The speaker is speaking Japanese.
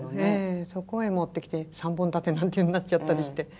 そこへもってきて３本立てなんていうのになっちゃったりして。